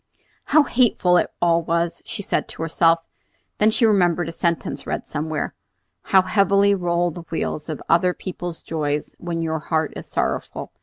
"How hateful it all was!" she said to herself. Then she remembered a sentence read somewhere, "How heavily roll the wheels of other people's joys when your heart is sorrowful!"